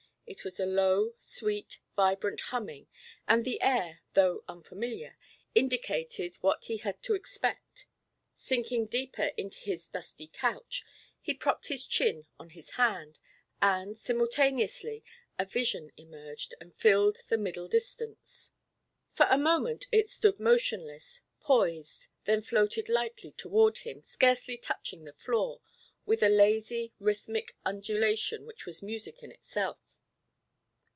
It was a low sweet vibrant humming, and the air, though unfamiliar, indicated what he had to expect. Sinking deeper into his dusty couch, he propped his chin on his hand; and, simultaneously, a vision emerged and filled the middle distance. For a moment it stood motionless, poised, then floated lightly toward him, scarcely touching the floor, with a lazy rhythmic undulation which was music in itself.